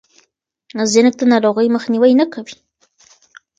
زینک د ناروغۍ مخنیوی نه کوي.